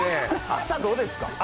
朝どうですかって。